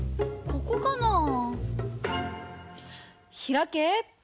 ここかなぁ？